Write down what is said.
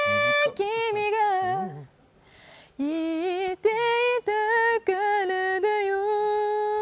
君が言っていたからだよ